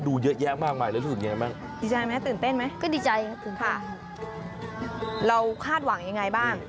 เราคาดหวังยังไงบ้าง